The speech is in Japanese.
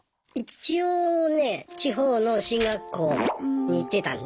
一応ね地方の進学校に行ってたんで。